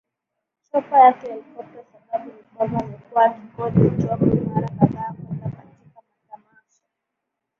Chopa yake Helikopta Sababu ni kwamba amekuwa akikodi Chopa mara kadhaa kwenda katika matamasha